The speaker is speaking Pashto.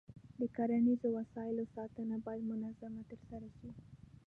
د کرنیزو وسایلو ساتنه باید منظم ترسره شي.